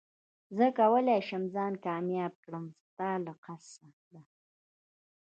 زه کولي شم ځان کامياب کړم ستا له قصده